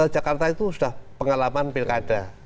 jakarta itu sudah pengalaman pilkada